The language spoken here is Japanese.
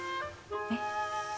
えっ？